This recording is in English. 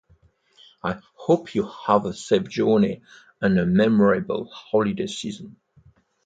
I hope you have a safe journey and a memorable holiday season.